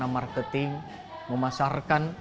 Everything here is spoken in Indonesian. dalam perusahaan itu mereka udah sepuluh tahun